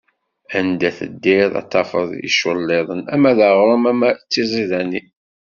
Anda teddiḍ, ad tafeḍ iculliḍen, ama d aɣrum ama d tiẓidanin.